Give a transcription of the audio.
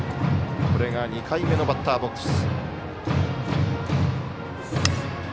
これが２回目のバッターボックス。